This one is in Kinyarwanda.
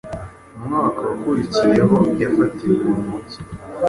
Umwaka wakurikiyeho yafatiwe mu mujyi